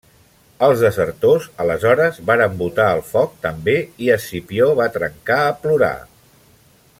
Els desertors aleshores varen botar al foc també i Escipió va trencar a plorar.